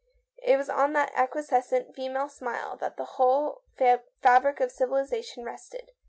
It was on that acquiescent feminine smile that the whole fabric of civilisation rested.